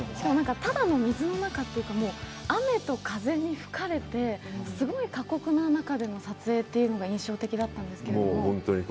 ただの水の中というか、雨と風に吹かれてすごい過酷な中での撮影というのが印象的だったんですけど。